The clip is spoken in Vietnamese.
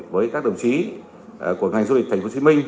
với các đồng chí của ngành du lịch thành phố hồ chí minh